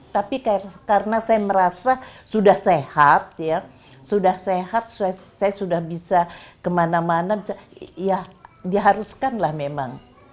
tapi karena saya merasa sudah sehat sudah sehat saya sudah bisa kemana mana ya diharuskan lah memang